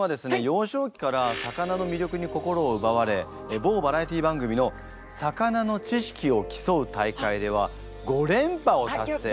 幼少期から魚の魅力に心をうばわれ某バラエティー番組のさかなの知識を競う大会では５連覇を達成。